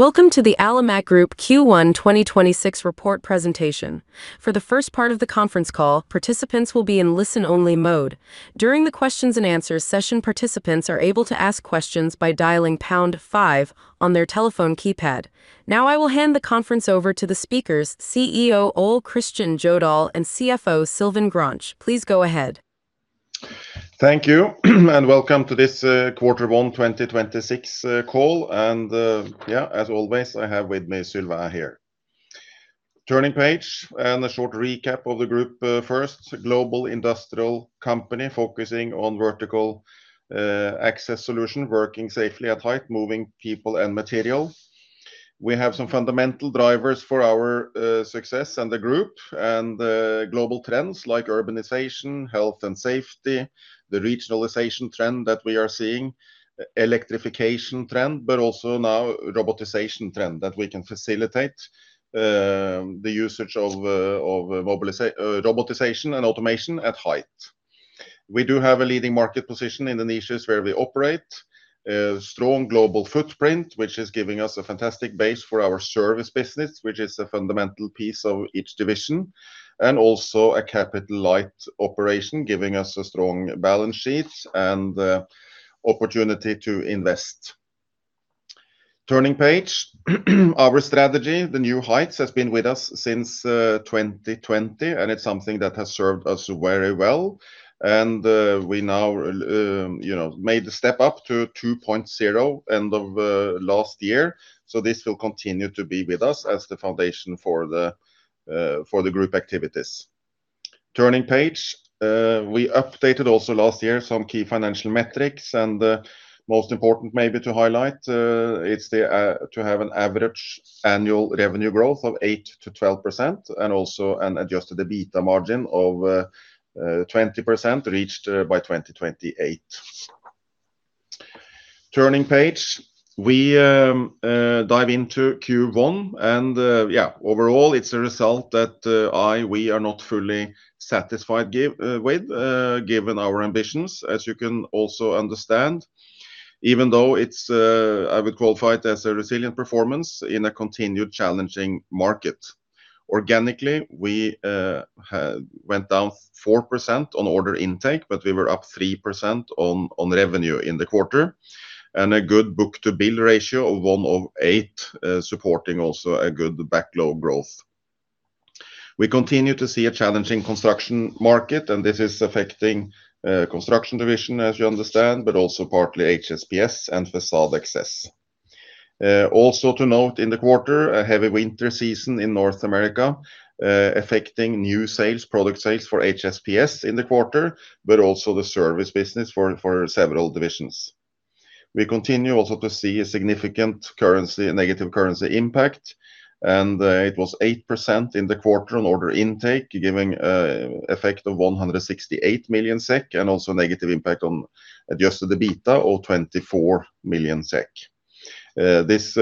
Welcome to the Alimak Group Q1 2026 report presentation. For the first part of the conference call, participants will be in listen-only mode. During the questions-and-answers session, participants are able to ask questions by dialing pound five on their telephone keypad. Now I will hand the conference over to the speakers, CEO Ole Kristian Jødahl and CFO Sylvain Grange. Please go ahead. Thank you, welcome to this quarter 1 2026 call. As always, I have with me Sylvain here. Turning page and a short recap of the group. First, global industrial company focusing on vertical access solution, working safely at height, moving people and material. We have some fundamental drivers for our success and the group and global trends like urbanization, health and safety, the regionalization trend that we are seeing, electrification trend, but also now robotization trend that we can facilitate the usage of robotization and automation at height. We do have a leading market position in the niches where we operate, a strong global footprint, which is giving us a fantastic base for our service business, which is a fundamental piece of each division, and also a capital-light operation, giving us a strong balance sheet and opportunity to invest. Turning page. Our strategy, the New Heights, has been with us since 2020, and it's something that has served us very well and we now made the step up to 2.0 end of last year. This will continue to be with us as the foundation for the group activities. Turning page. We updated also last year some key financial metrics and the most important maybe to highlight, it's the to have an average annual revenue growth of 8%-12% and also an adjusted EBITDA margin of 20% reached by 2028. Turning page. We dive into Q1 and overall, it's a result that we are not fully satisfied with, given our ambitions, as you can also understand, even though it's I would qualify it as a resilient performance in a continued challenging market. Organically, we went down 4% on order intake, but we were up 3% on revenue in the quarter. A good book-to-bill ratio of 1.08, supporting also a good backlog growth. We continue to see a challenging construction market, and this is affecting construction division, as you understand, but also partly HSPS and Facade Access. Also to note in the quarter, a heavy winter season in North America, affecting new sales, product sales for HSPS in the quarter, but also the service business for several divisions. We continue also to see a significant negative currency impact, and it was 8% in the quarter on order intake, giving effect of 168 million SEK and also negative impact on adjusted EBITDA of 24 million SEK. This,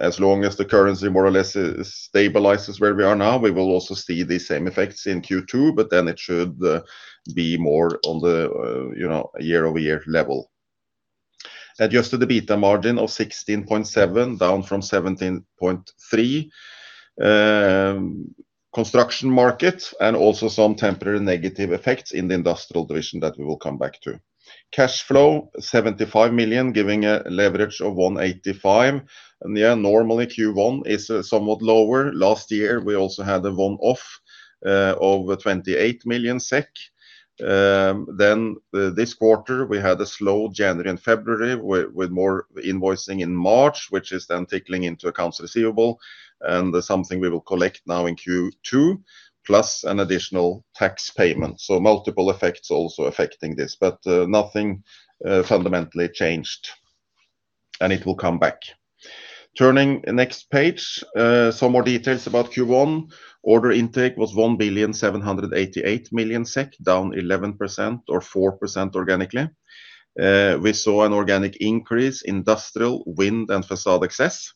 as long as the currency more or less stabilizes where we are now, we will also see the same effects in Q2, but then it should be more on the, you know, year-over-year level. Adjusted EBITDA margin of 16.7%, down from 17.3%. Construction market and also some temporary negative effects in the industrial division that we will come back to. Cash flow, 75 million, giving a leverage of 1.85. Yeah, normally Q1 is somewhat lower. Last year, we also had a one-off of 28 million SEK. Then this quarter we had a slow January and February with more invoicing in March, which is then trickling into accounts receivable and something we will collect now in Q2, plus an additional tax payment. Multiple effects also affecting this. Nothing fundamentally changed, and it will come back. Turning next page. Some more details about Q1. Order intake was 1,788 million SEK, down 11% or 4% organically. We saw an organic increase in industrial, wind and facade access,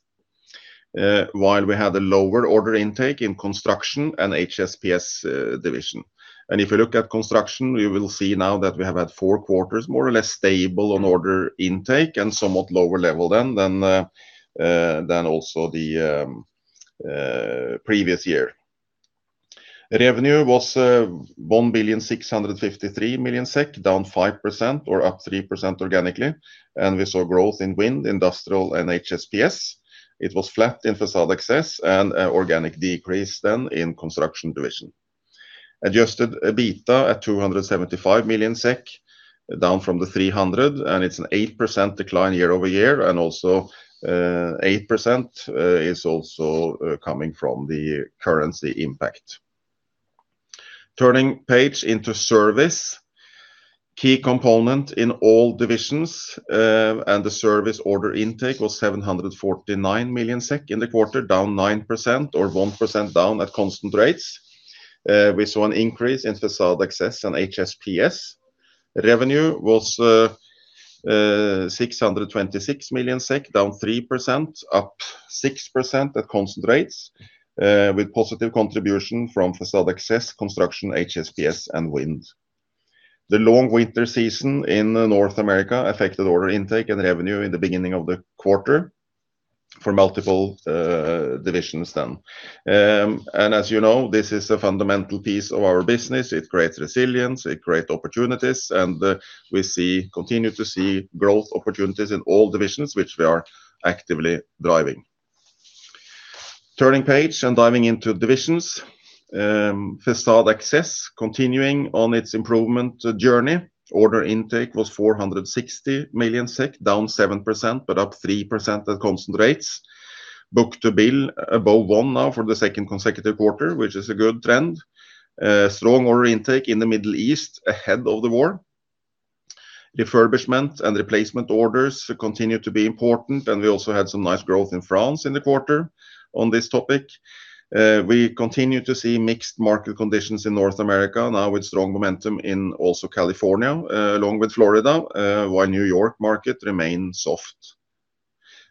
while we had a lower order intake in construction and HSPS division. If you look at construction, we will see now that we have had 4 quarters more or less stable on order intake and somewhat lower level than the previous year. Revenue was 1,653 million SEK, down 5% or up 3% organically. We saw growth in wind, industrial and HSPS. It was flat in facade access and organic decrease there in construction division. Adjusted EBITDA at 275 million SEK, down from 300 million, and it's an 8% decline year-over-year. Also, 8% is also coming from the currency impact. Turning page into service. key component in all divisions, and the service order intake was 749 million SEK in the quarter, down 9% or 1% down at constant rates. We saw an increase in Facade Access and HSPS. Revenue was 626 million SEK, down 3%, up 6% at constant rates, with positive contribut`ion from Facade Access, Construction, HSPS and Wind. The long winter season in North America affected order intake and revenue in the beginning of the quarter for multiple divisions then. As you know, this is a fundamental piece of our business. It creates resilience, it creates opportunities, and we continue to see growth opportunities in all divisions, which we are actively driving. Turning the page and diving into divisions. Facade Access continuing on its improvement journey. Order intake was 460 million SEK, down 7% but up 3% at constant rates. Book-to-bill above one now for the second consecutive quarter, which is a good trend. Strong order intake in the Middle East ahead of the war. Refurbishment and replacement orders continue to be important, and we also had some nice growth in France in the quarter on this topic. We continue to see mixed market conditions in North America now, with strong momentum in also California, along with Florida, while New York market remains soft.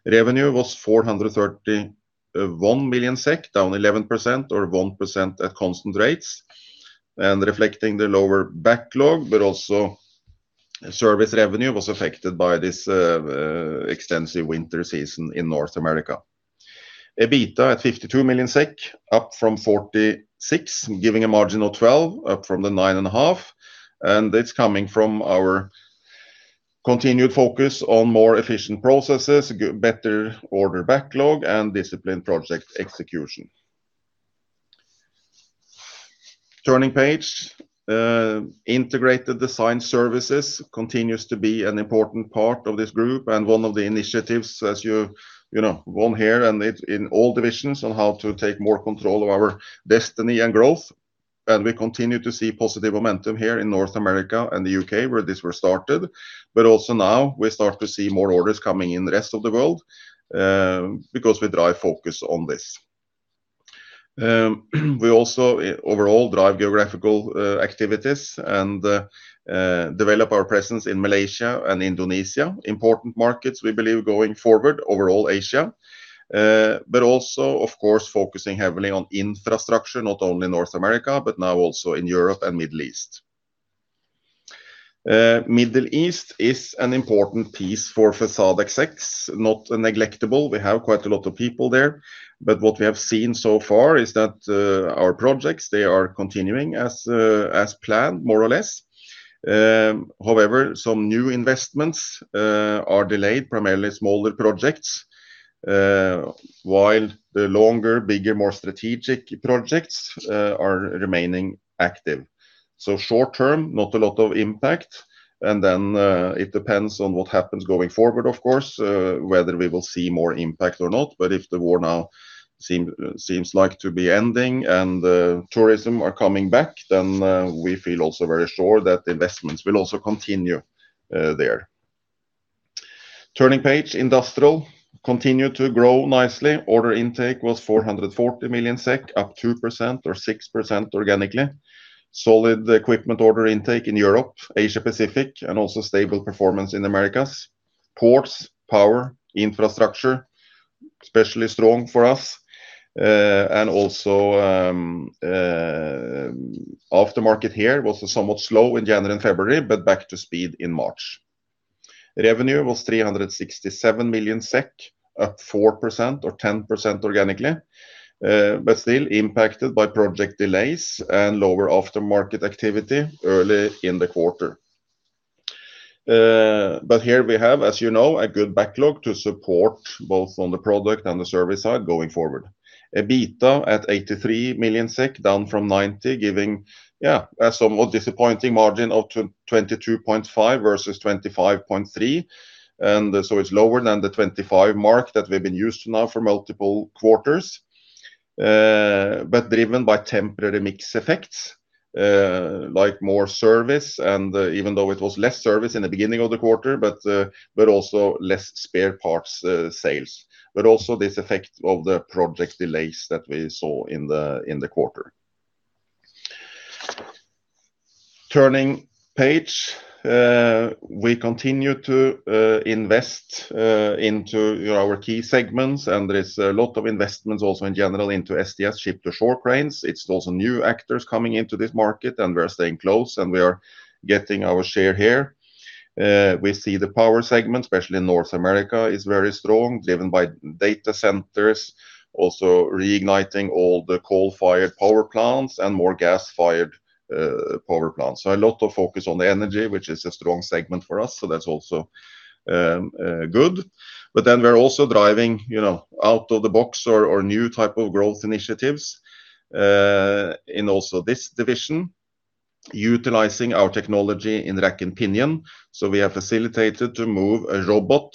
Revenue was 431 million SEK, down 11% or 1% at constant rates. Reflecting the lower backlog, but also service revenue was affected by this extensive winter season in North America. EBITDA at 52 million SEK, up from 46 million, giving a margin of 12%, up from the 9.5%, and it's coming from our continued focus on more efficient processes, better order backlog and disciplined project execution. Turning page. Integrated Design Services continues to be an important part of this group and one of the initiatives, as you know we want here and in all divisions on how to take more control of our destiny and growth. We continue to see positive momentum here in North America and the U.K. where this was started. Also now we start to see more orders coming in the rest of the world, because we drive focus on this. We also overall drive geographic activities and develop our presence in Malaysia and Indonesia. Important markets, we believe, going forward overall Asia, but also of course, focusing heavily on infrastructure, not only in North America, but now also in Europe and Middle East. Middle East is an important piece for Facade Access. Not neglectable. We have quite a lot of people there. What we have seen so far is that, our projects, they are continuing as planned, more or less. However, some new investments are delayed, primarily smaller projects, while the longer, bigger, more strategic projects are remaining active. Short term, not a lot of impact. Then, it depends on what happens going forward, of course, whether we will see more impact or not. If the war now seems like to be ending and tourism are coming back, then we feel also very sure that investments will also continue there. Turning page. Industrial continued to grow nicely. Order intake was 440 million SEK, up 2% or 6% organically. Solid equipment order intake in Europe, Asia Pacific and also stable performance in Americas. Ports, power, infrastructure, especially strong for us. And also, aftermarket here was somewhat slow in January and February, but back to speed in March. Revenue was 367 million SEK, up 4% or 10% organically, but still impacted by project delays and lower aftermarket activity early in the quarter. Here we have, as you know, a good backlog to support both on the product and the service side going forward. EBITDA at 83 million SEK, down from 90 million, giving a somewhat disappointing margin of 22.5% versus 25.3%. It's lower than the 25% mark that we've been used to now for multiple quarters, but driven by temporary mix effects, like more service and even though it was less service in the beginning of the quarter, but also less spare parts sales, but also this effect of the project delays that we saw in the quarter. Turning page. We continue to invest into our key segments, and there is a lot of investments also in general into STS ship-to-shore cranes. It's also new actors coming into this market, and we're staying close and we are getting our share here. We see the power segment, especially in North America, is very strong, driven by data centers, also reigniting all the coal-fired power plants and more gas-fired power plants. A lot of focus on the energy, which is a strong segment for us, so that's also good. We're also driving, you know, out of the box or new type of growth initiatives in also this division, utilizing our technology in rack and pinion. We have facilitated to move a robot,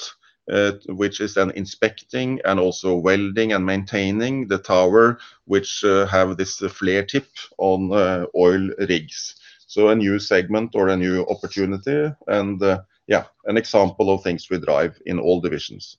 which is an inspecting and also welding and maintaining the tower which have this flare tip on oil rigs. A new segment or a new opportunity and yeah, an example of things we drive in all divisions.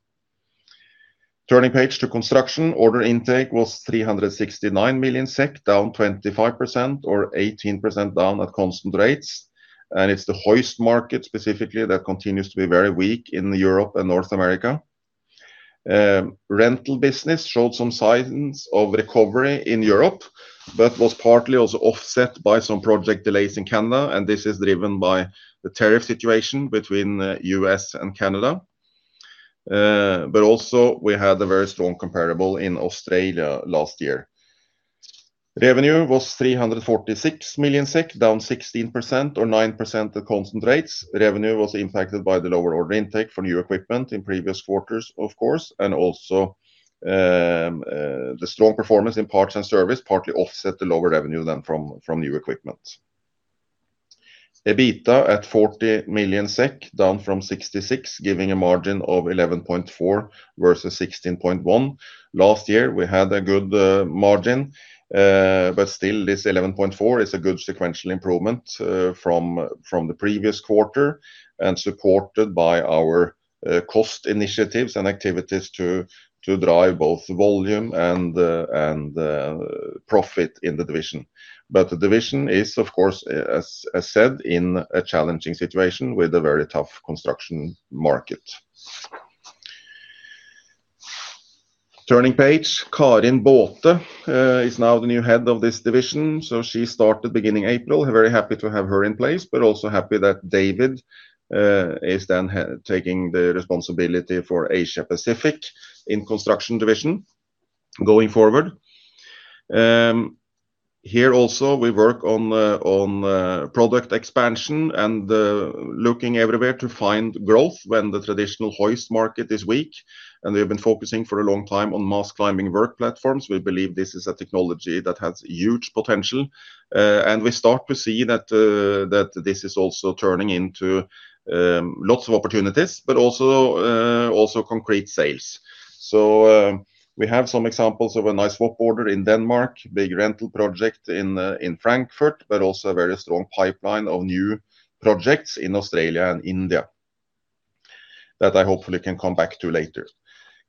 Turning page to Construction. Order intake was 369 million SEK, down 25% or 18% down at constant rates. It's the hoist market specifically that continues to be very weak in Europe and North America. Rental business showed some signs of recovery in Europe, but was partly also offset by some project delays in Canada. This is driven by the tariff situation between U.S. and Canada. Also we had a very strong comparable in Australia last year. Revenue was 346 million SEK, down 16% or 9% at constant rates. Revenue was impacted by the lower order intake for new equipment in previous quarters of course, and also, the strong performance in parts and service partly offset the lower revenue from new equipment. EBITDA at 40 million SEK, down from 66, giving a margin of 11.4% versus 16.1%. Last year, we had a good margin, but still this 11.4% is a good sequential improvement from the previous quarter and supported by our cost initiatives and activities to drive both volume and profit in the division. The division is of course, as said, in a challenging situation with a very tough construction market. Turning page, Karin Båte is now the new head of this division. She started beginning April. Very happy to have her in place, but also happy that David is then taking the responsibility for Asia-Pacific in construction division going forward. Here also we work on product expansion and looking everywhere to find growth when the traditional hoist market is weak. We've been focusing for a long time on mast climbing work platforms. We believe this is a technology that has huge potential. We start to see that this is also turning into lots of opportunities, but also concrete sales. We have some examples of a nice swap order in Denmark, big rental project in Frankfurt, but also a very strong pipeline of new projects in Australia and India that I hopefully can come back to later.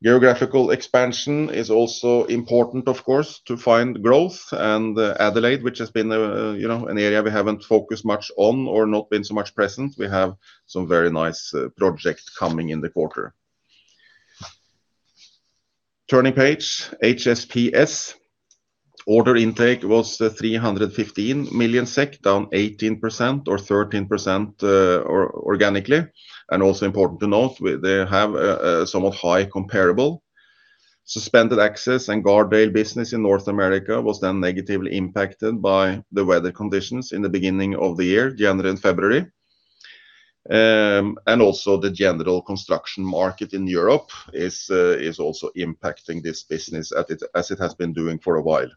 Geographical expansion is also important, of course, to find growth. Adelaide, which has been, you know, an area we haven't focused much on or not been so much present, we have some very nice projects coming in the quarter. Turning page, HSPS. Order intake was 315 million SEK, down 18% or 13% organically. Also important to note, they have a somewhat high comparable. Suspended access and guardrail business in North America was then negatively impacted by the weather conditions in the beginning of the year, January and February. Also the general construction market in Europe is also impacting this business as it has been doing for a while.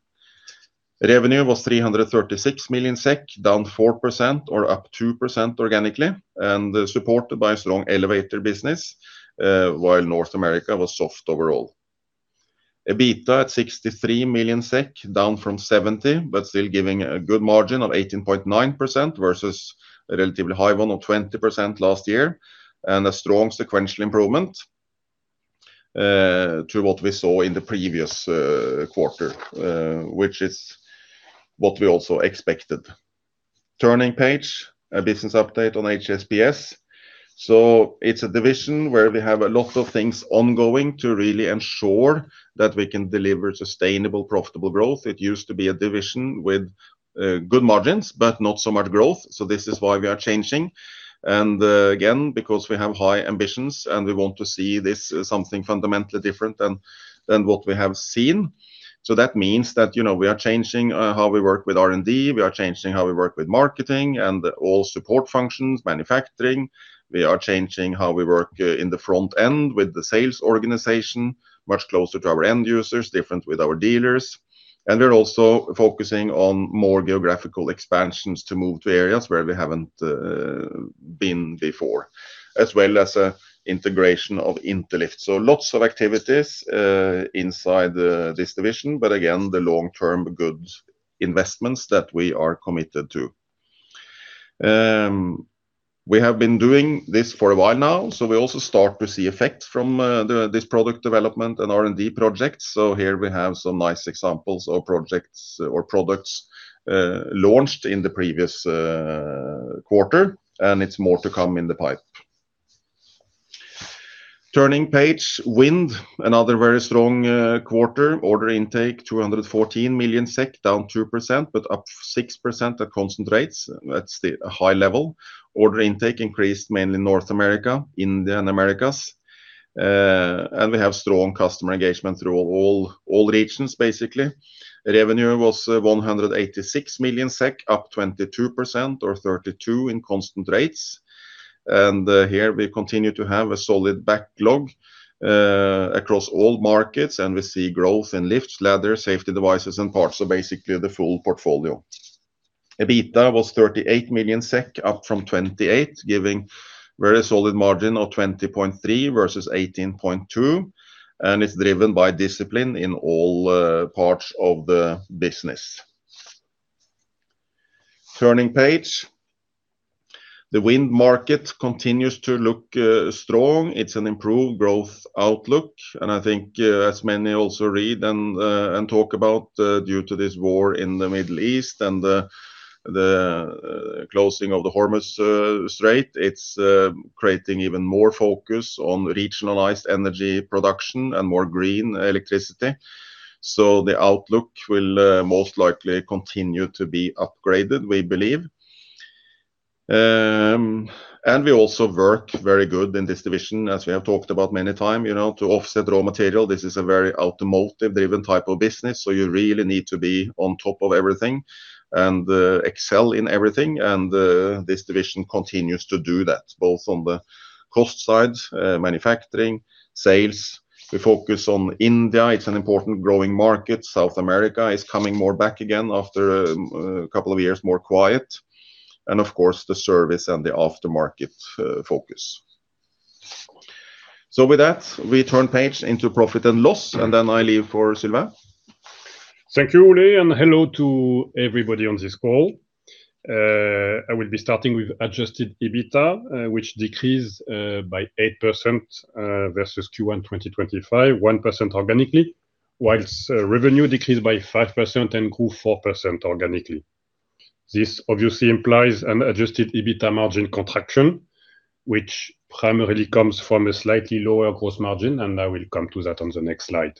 Revenue was 336 million SEK, down 4% or up 2% organically, and supported by strong elevator business while North America was soft overall. EBITDA at 63 million SEK, down from 70 million, but still giving a good margin of 18.9% versus a relatively high one of 20% last year, and a strong sequential improvement to what we saw in the previous quarter, which is what we also expected. Turning page, a business update on HSPS. It's a division where we have a lot of things ongoing to really ensure that we can deliver sustainable, profitable growth. It used to be a division with good margins, but not so much growth. This is why we are changing. Again, because we have high ambitions, and we want to see this as something fundamentally different than what we have seen. That means that, you know, we are changing how we work with R&D. We are changing how we work with marketing and all support functions, manufacturing. We are changing how we work in the front end with the sales organization, much closer to our end users, different with our dealers. We're also focusing on more geographical expansions to move to areas where we haven't been before, as well as integration of Interlift. Lots of activities inside this division, but again, the long-term good investments that we are committed to. We have been doing this for a while now, so we also start to see effects from this product development and R&D projects. Here we have some nice examples of projects or products launched in the previous quarter, and it's more to come in the pipe. Turning page, Wind, another very strong quarter. Order intake 214 million SEK, down 2%, but up 6% at constant rates. That's a high level. Order intake increased mainly in North America, India, and Americas. We have strong customer engagement through all regions, basically. Revenue was 186 million SEK, up 22% or 32% in constant rates. Here we continue to have a solid backlog across all markets, and we see growth in lifts, ladders, safety devices and parts. Basically the full portfolio. EBITDA was 38 million SEK, up from 28 million, giving very solid margin of 20.3% versus 18.2%, and it's driven by discipline in all parts of the business. Turning page. The wind market continues to look strong. It's an improved growth outlook. I think, as many also read and talk about, due to this war in the Middle East and the closing of the Hormuz Strait, it's creating even more focus on regionalized energy production and more green electricity. The outlook will most likely continue to be upgraded, we believe. We also work very good in this division, as we have talked about many time, you know, to offset raw material. This is a very automotive-driven type of business. You really need to be on top of everything and excel in everything. This division continues to do that, both on the cost side, manufacturing, sales. We focus on India. It's an important growing market. South America is coming more back again after a couple of years more quiet. Of course, the service and the aftermarket focus. With that, we turn page into profit and loss, and then I leave for Sylvain. Thank you, Ole, and hello to everybody on this call. I will be starting with adjusted EBITDA, which decreased by 8% versus Q1 2025, 1% organically, while revenue decreased by 5% and grew 4% organically. This obviously implies an adjusted EBITDA margin contraction, which primarily comes from a slightly lower gross margin, and I will come to that on the next slide.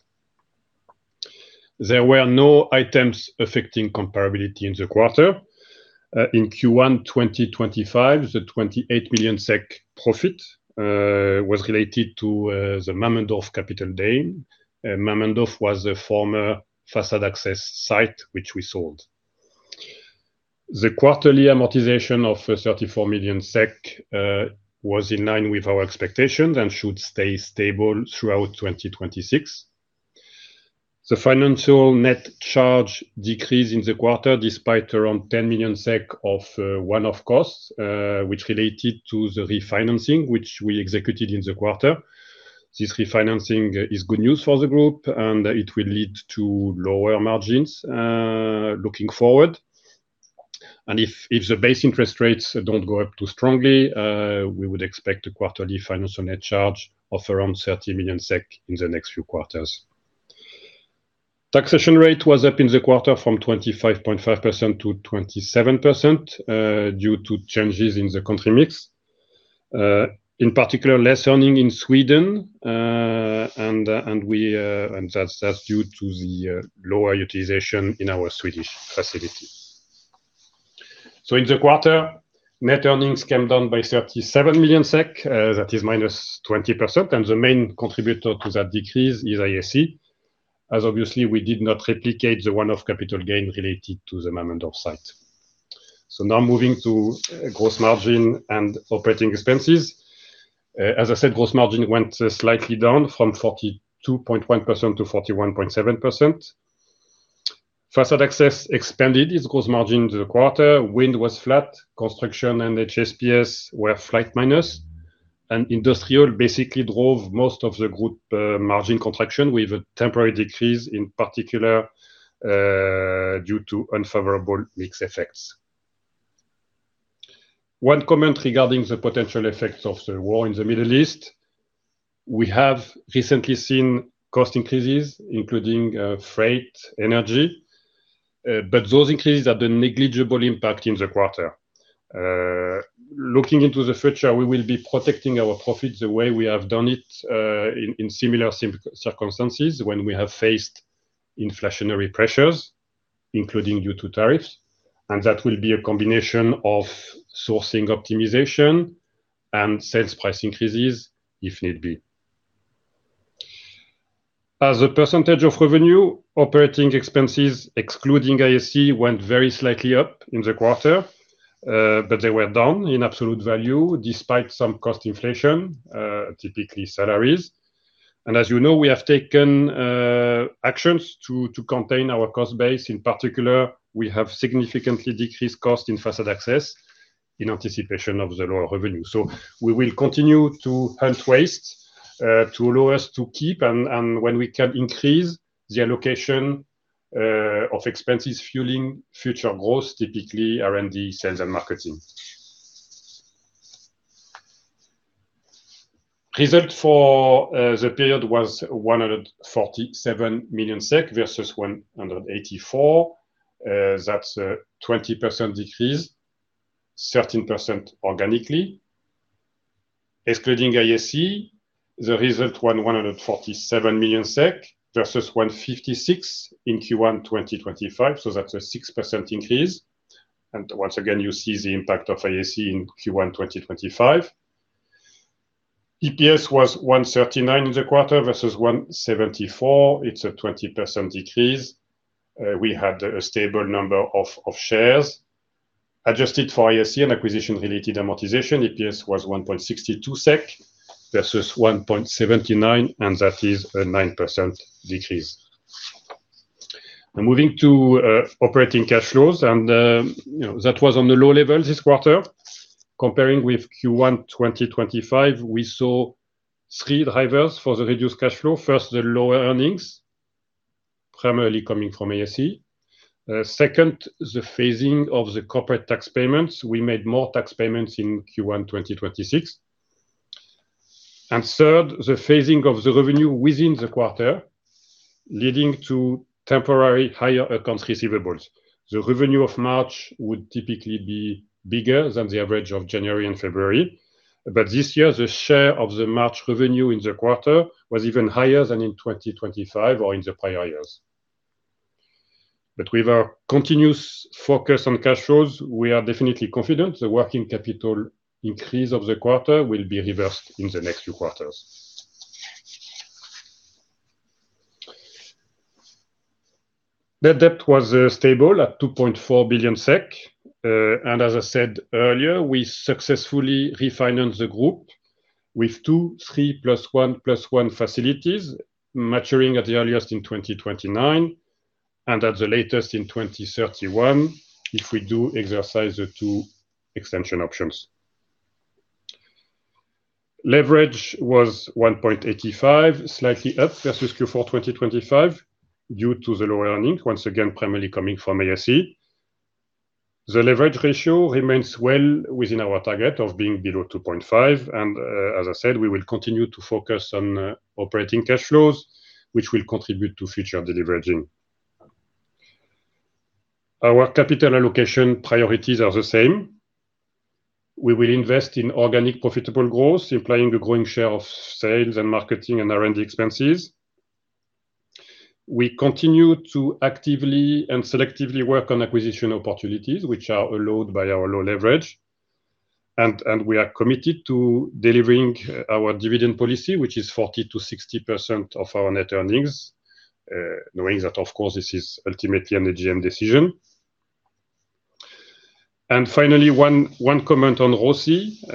There were no items affecting comparability in the quarter. In Q1 2025, the 28 million SEK profit was related to the Mammendorf capital gain. Mammendorf was a former Facade Access site, which we sold. The quarterly amortization of 34 million SEK was in line with our expectations and should stay stable throughout 2026. The financial net charge decreased in the quarter despite around 10 million SEK of one-off costs, which related to the refinancing, which we executed in the quarter. This refinancing is good news for the group, and it will lead to lower margins looking forward. If the base interest rates don't go up too strongly, we would expect a quarterly financial net charge of around 30 million SEK in the next few quarters. Taxation rate was up in the quarter from 25.5%-27%, due to changes in the country mix. In particular, less earnings in Sweden, and that's due to the lower utilization in our Swedish facility. In the quarter, net earnings came down by 37 million SEK, that is -20%, and the main contributor to that decrease is ASE, as obviously we did not replicate the one-off capital gain related to the Mammendorf site. Now moving to gross margin and operating expenses. As I said, gross margin went slightly down from 42.1%-41.7%. Facade Access expanded its gross margin in the quarter. Wind was flat. Construction and HSPS were slight minus. Industrial basically drove most of the group margin contraction with a temporary decrease, in particular, due to unfavorable mix effects. One comment regarding the potential effects of the war in the Middle East. We have recently seen cost increases, including freight, energy, but those increases had a negligible impact in the quarter. Looking into the future, we will be protecting our profits the way we have done it, in similar circumstances when we have faced inflationary pressures, including due to tariffs. That will be a combination of sourcing optimization and sales price increases if need be. As a percentage of revenue, operating expenses, excluding ASE, went very slightly up in the quarter, but they were down in absolute value despite some cost inflation, typically salaries. As you know, we have taken actions to contain our cost base. In particular, we have significantly decreased cost in Facade Access in anticipation of the lower revenue. We will continue to hunt waste to allow us to keep and when we can increase the allocation of expenses fueling future growth, typically R&D, sales and marketing. Result for the period was 147 million SEK versus 184 million. That's a 20% decrease, 13% organically. Excluding ASE, the result was 147 million SEK versus 156 million in Q1 2025, so that's a 6% increase. Once again, you see the impact of ASE in Q1 2025. EPS was 1.39 in the quarter versus 1.74. It's a 20% decrease. We had a stable number of shares. Adjusted for ASE and acquisition-related amortization, EPS was 1.62 SEK versus 1.79, and that is a 9% decrease. Moving to operating cash flows, you know, that was on the low level this quarter. Comparing with Q1 2025, we saw three drivers for the reduced cash flow. First, the lower earnings, primarily coming from ASE. Second, the phasing of the corporate tax payments. We made more tax payments in Q1 2026. Third, the phasing of the revenue within the quarter leading to temporary higher accounts receivables. The revenue of March would typically be bigger than the average of January and February, but this year, the share of the March revenue in the quarter was even higher than in 2025 or in the prior years. With our continuous focus on cash flows, we are definitely confident the working capital increase of the quarter will be reversed in the next few quarters. Net debt was stable at 2.4 billion SEK. As I said earlier, we successfully refinanced the group with two, three plus one plus one facilities maturing at the earliest in 2029 and at the latest in 2031 if we do exercise the two extension options. Leverage was 1.85, slightly up versus Q4 2025 due to the lower earnings, once again, primarily coming from ASE. The leverage ratio remains well within our target of being below 2.5, and as I said, we will continue to focus on operating cash flows, which will contribute to future de-leveraging. Our capital allocation priorities are the same. We will invest in organic profitable growth, implying the growing share of sales and marketing and R&D expenses. We continue to actively and selectively work on acquisition opportunities, which are allowed by our low leverage. We are committed to delivering our dividend policy, which is 40%-60% of our net earnings, knowing that, of course, this is ultimately an AGM decision. Finally, one comment on ROCE,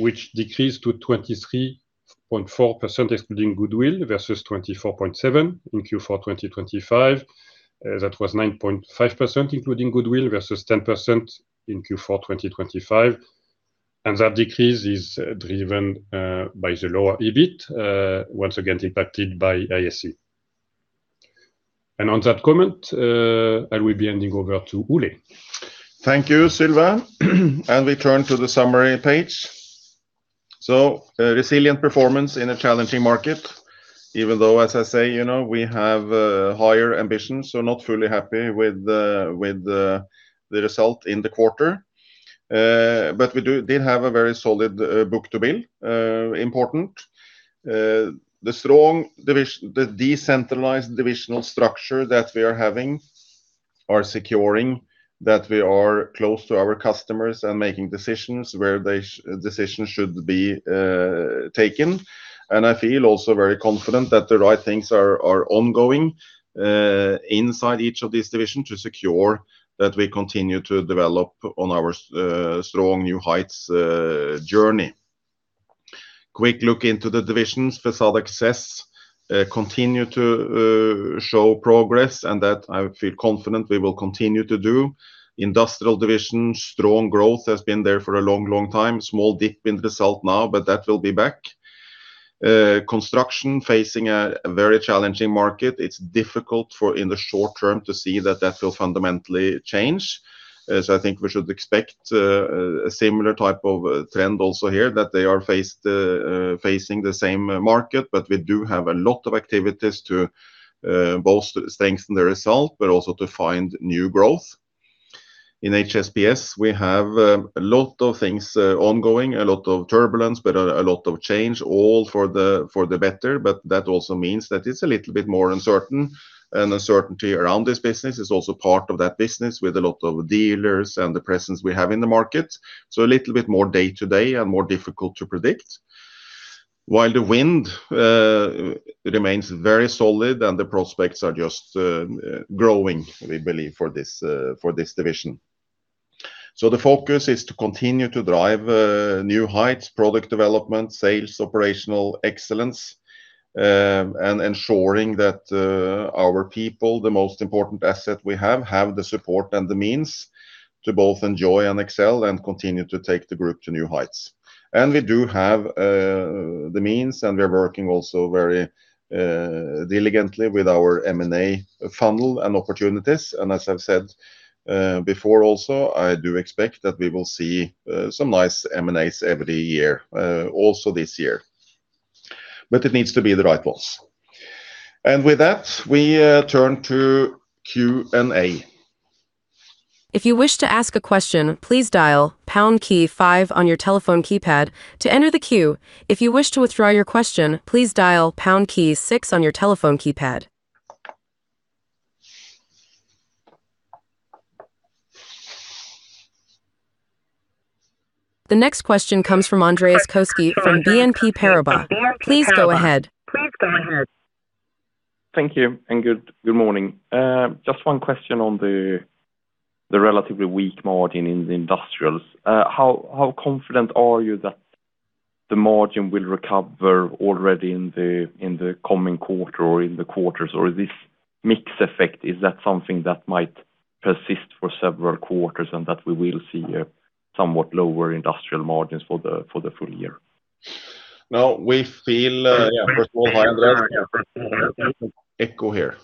which decreased to 23.4% excluding goodwill versus 24.7% in Q4 2025. That was 9.5% including goodwill versus 10% in Q4 2025. That decrease is driven by the lower EBIT, once again impacted by ASE. On that comment, I will be handing over to Ole. Thank you, Sylvain. We turn to the summary page. Resilient performance in a challenging market, even though, as I say, you know, we have higher ambitions, so not fully happy with the result in the quarter. But we did have a very solid book-to-bill, important. The decentralized divisional structure that we are having are securing that we are close to our customers and making decisions where decisions should be taken. I feel also very confident that the right things are ongoing inside each of these divisions to secure that we continue to develop on our strong New Heights journey. Quick look into the divisions. Facade Access continue to show progress and that I feel confident we will continue to do. Industrial division, strong growth, has been there for a long, long time. Small dip in the result now, but that will be back. Construction facing a very challenging market. It's difficult in the short term to see that that will fundamentally change. I think we should expect a similar type of trend also here that they are facing the same market, but we do have a lot of activities to both strengthen the result but also to find new growth. In HSPS, we have a lot of things ongoing, a lot of turbulence, but a lot of change, all for the better. That also means that it's a little bit more uncertain, and uncertainty around this business is also part of that business with a lot of dealers and the presence we have in the market. A little bit more day-to-day and more difficult to predict. While the wind remains very solid and the prospects are just growing, we believe, for this division. The focus is to continue to drive New Heights, product development, sales, operational excellence, and ensuring that our people, the most important asset we have the support and the means to both enjoy and excel and continue to take the group to new heights. We do have the means, and we're working also very diligently with our M&A funnel and opportunities. As I've said before also, I do expect that we will see some nice M&As every year also this year. It needs to be the right ones. With that, we turn to Q&A. If you wish to ask a question please dial pound key five on your telephone keypad. If you wish to withdraw your question please dial pound key six on your telephone keypad. The next question comes from Andreas Koski from BNP Paribas. Please go ahead. Thank you and good morning. Just one question on the relatively weak margin in the industrials. How confident are you that the margin will recover already in the coming quarter or in the quarters? Or this mix effect, is that something that might persist for several quarters and that we will see a somewhat lower industrial margins for the full year? No, we feel, yeah, first of all, hi Andreas. Echo here.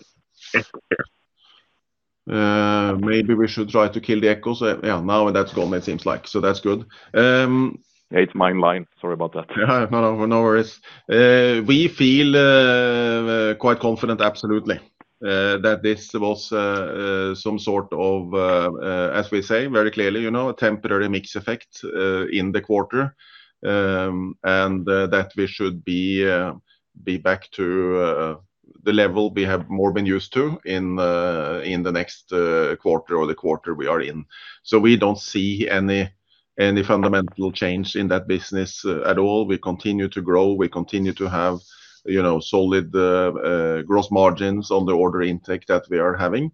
Maybe we should try to kill the echo. Yeah, now that's gone, it seems like. It's my line. Sorry about that. No, no worries. We feel quite confident absolutely that this was some sort of as we say very clearly, you know, a temporary mix effect in the quarter that we should be back to the level we have more or less been used to in the next quarter or the quarter we are in. We don't see any fundamental change in that business at all. We continue to grow. We continue to have, you know, solid gross margins on the order intake that we are having.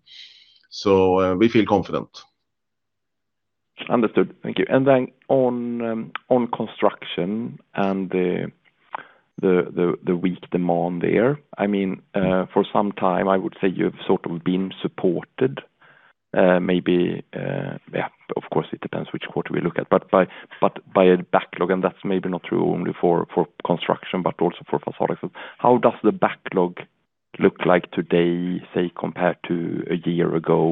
We feel confident. Understood. Thank you. On Construction and the weak demand there, I mean. For some time, I would say you've sort of been supported, maybe, yeah, of course, it depends which quarter we look at. By a backlog, that's maybe not true only for construction, but also for Facade Access. How does the backlog look like today, say, compared to a year ago?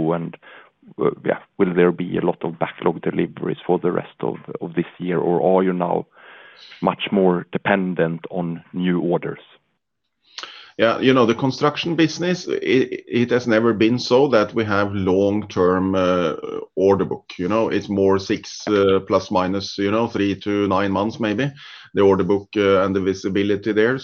Will there be a lot of backlog deliveries for the rest of this year, or are you now much more dependent on new orders? You know, the Construction business, it has never been so that we have long-term order book. You know? It's more six plus minus, you know, three to nine months, maybe, the order book and the visibility there.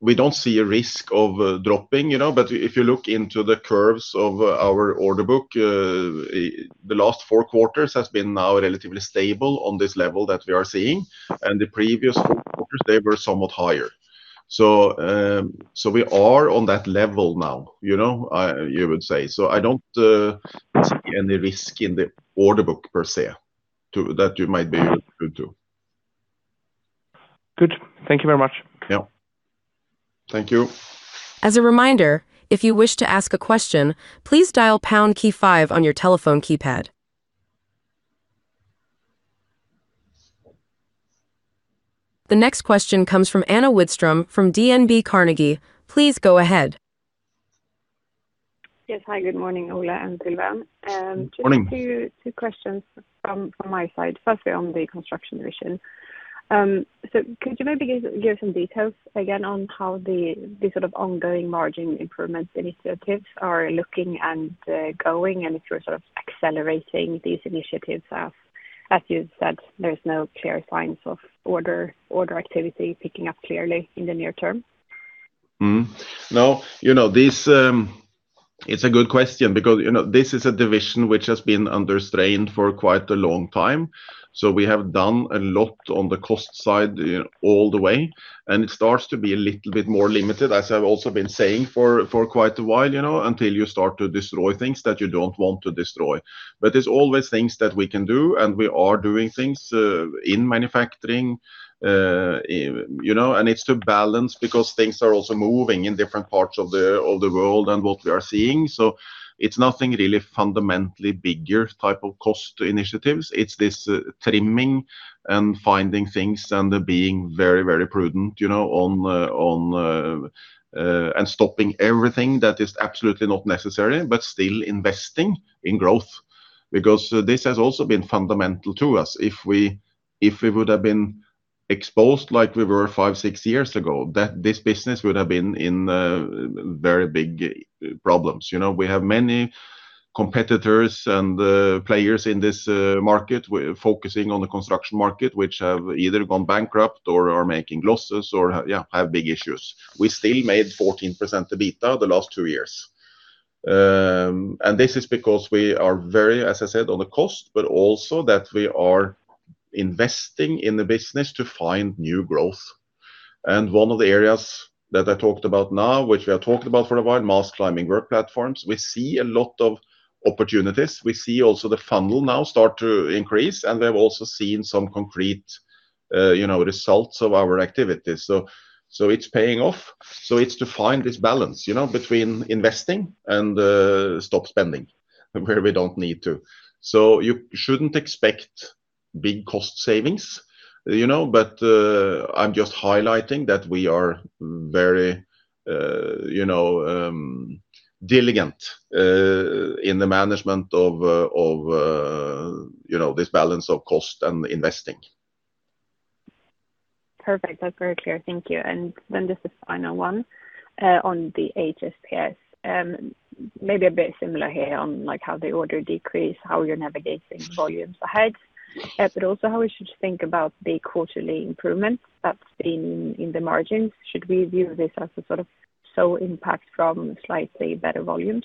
We don't see a risk of dropping, you know? If you look into the curves of our order book, the last four quarters has been now relatively stable on this level that we are seeing, and the previous four quarters they were somewhat higher. We are on that level now, you know, you would say. I don't see any risk in the order book per se to that you might be referring to. Good. Thank you very much. Yeah. Thank you. As a reminder, if you wish to ask a question, please dial pound key five on your telephone keypad. The next question comes from Anna Widström from DNB Carnegie. Please go ahead. Yes. Hi, good morning, Ole and Sylvain. Morning. Just two questions from my side. Firstly, on the Construction division. Could you maybe give some details again on how the sort of ongoing margin improvement initiatives are looking and going, and if you're sort of accelerating these initiatives as you said, there's no clear signs of order activity picking up clearly in the near term? No. You know, this. It's a good question because, you know, this is a division which has been under strain for quite a long time. We have done a lot on the cost side all the way, and it starts to be a little bit more limited, as I've also been saying for quite a while, you know, until you start to destroy things that you don't want to destroy. But there's always things that we can do, and we are doing things in manufacturing. You know, and it's to balance because things are also moving in different parts of the world and what we are seeing. It's nothing really fundamentally bigger type of cost initiatives. It's this trimming and finding things and being very, very prudent, you know, on and stopping everything that is absolutely not necessary, but still investing in growth. Because this has also been fundamental to us. If we would have been exposed like we were five, six years ago, that this business would have been in very big problems. You know, we have many competitors and players in this market focusing on the construction market, which have either gone bankrupt or are making losses or, yeah, have big issues. We still made 14% EBITDA the last two years. This is because we are very, as I said, on the cost, but also that we are investing in the business to find new growth. One of the areas that I talked about now, which we have talked about for a while, mast climbing work platforms, we see a lot of opportunities. We see also the funnel now start to increase, and we have also seen some concrete you know results of our activities. It's paying off. It's to find this balance you know between investing and stop spending where we don't need to. You shouldn't expect big cost savings you know but I'm just highlighting that we are very you know diligent in the management of you know this balance of cost and investing. Perfect. That's very clear. Thank you. Just a final one on the HSPS. Maybe a bit similar here on like how the order decreased, how you're navigating volumes ahead. Also how we should think about the quarterly improvements that's been in the margins. Should we view this as a sort of sole impact from slightly better volumes?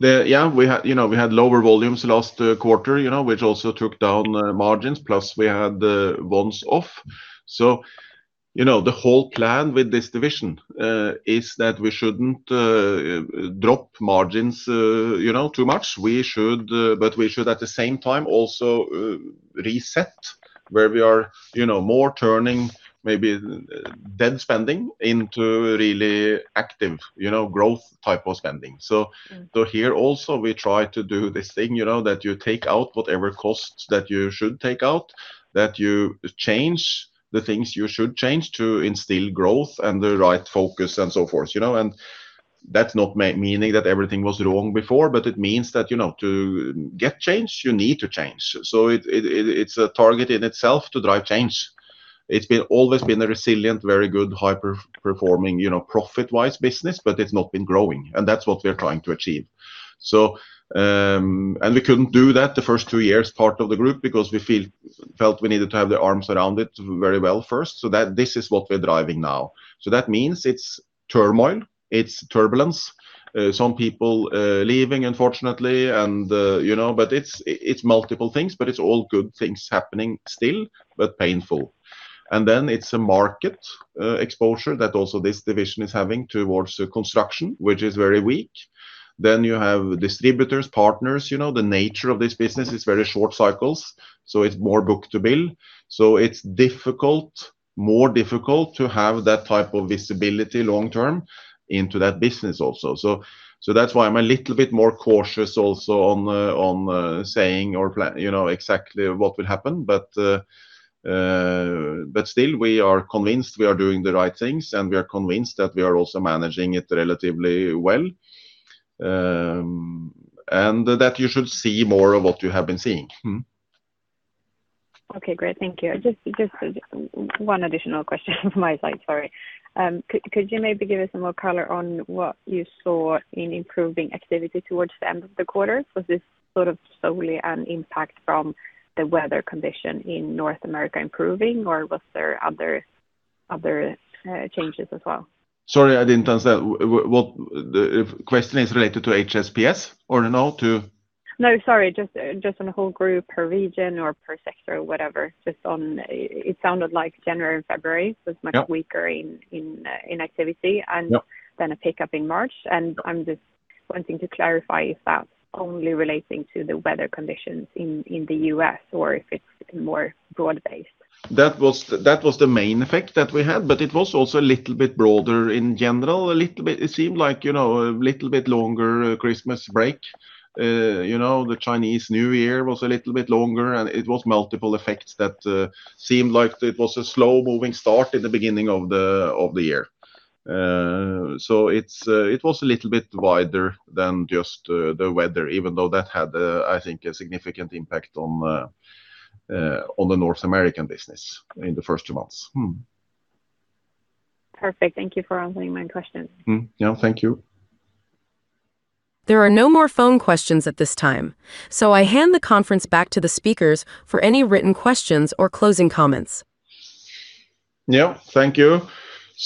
Yeah, we had, you know, lower volumes last quarter, you know, which also took down margins, plus we had the one-off. The whole plan with this division is that we shouldn't drop margins, you know, too much. We should, but we should at the same time also reset where we are, you know, more turning maybe dead spending into really active, you know, growth type of spending. Here also we try to do this thing, you know, that you take out whatever costs that you should take out, that you change the things you should change to instill growth and the right focus and so forth, you know. That's not meaning that everything was wrong before, but it means that, you know, to get change, you need to change. It's a target in itself to drive change. It's always been a resilient, very good, high-performing, you know, profit-wise business, but it's not been growing, and that's what we're trying to achieve. We couldn't do that the first two years part of the group because we felt we needed to have the arms around it very well first, so that this is what we're driving now. That means it's turmoil, it's turbulence, some people leaving, unfortunately, and you know. It's multiple things, but it's all good things happening still, but painful. It's a market exposure that also this division is having toward the construction, which is very weak. You have distributors, partners, you know. The nature of this business is very short cycles, so it's more book-to-bill. It's difficult, more difficult to have that type of visibility long term into that business also. That's why I'm a little bit more cautious also on saying you know, exactly what will happen. Still we are convinced we are doing the right things, and we are convinced that we are also managing it relatively well, and that you should see more of what you have been seeing. Okay, great. Thank you. Just one additional question from my side. Sorry. Could you maybe give us some more color on what you saw in improving activity towards the end of the quarter? Was this sort of solely an impact from the weather condition in North America improving, or was there other changes as well? Sorry, I didn't understand. If question is related to HSPS or no? No, sorry. Just on the whole group per region or per sector, whatever. Just on. It sounded like January and February was much weaker in activity and a pickup in March. I'm just wanting to clarify if that's only relating to the weather conditions in the US or if it's more broad-based. That was the main effect that we had, but it was also a little bit broader in general. It seemed like, you know, a little bit longer Christmas break. You know, the Chinese New Year was a little bit longer, and it was multiple effects that seemed like it was a slow-moving start in the beginning of the year. So it was a little bit wider than just the weather, even though that had, I think, a significant impact on the North American business in the first two months. Perfect. Thank you for answering my questions. Yeah, thank you. There are no more phone questions at this time, so I hand the conference back to the speakers for any written questions or closing comments. Yeah, thank you.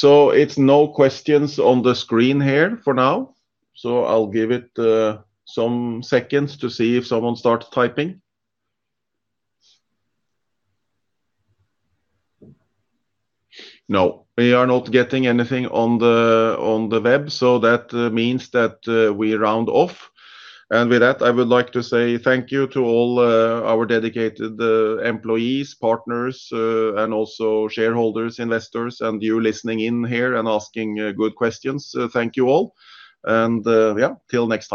It's no questions on the screen here for now, so I'll give it some seconds to see if someone starts typing. No, we are not getting anything on the web, so that means that we round off. With that, I would like to say thank you to all our dedicated employees, partners, and also shareholders, investors, and you listening in here and asking good questions. Thank you all. Yeah, till next time.